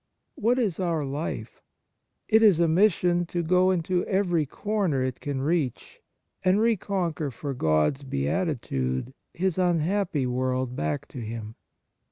What is our life ? It is a mission to go into every corner it can reach, and reconquer for God's beati tude His unhappy world back to Him.